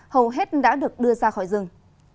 hầu hết đã được đưa ra khỏi rừng